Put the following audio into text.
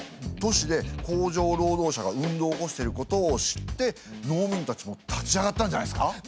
都市で工場労働者が運動を起こしてることを知って農民たちも立ち上がったんじゃないですか？